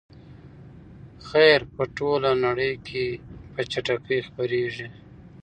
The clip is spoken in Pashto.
خبر په ټوله نړۍ کې په چټکۍ خپریږي.